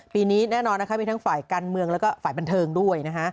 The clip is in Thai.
ปีนี้แน่นอนมีทั้งฝ่ายการเมืองและฝ่ายบรรเทิงด้วย